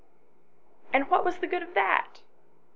" And what was the good of that ?"